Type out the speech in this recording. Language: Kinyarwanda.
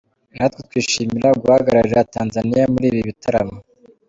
Natwe twishimira guhagararira Tanzania muri ibi bitaramo.